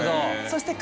そして。